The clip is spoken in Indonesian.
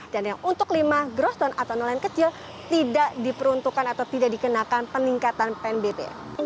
dan yang untuk lima groston atau nelayan kecil tidak diperuntukkan atau tidak dikenakan peningkatan pnbp